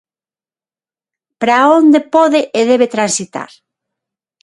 Para onde pode e debe transitar?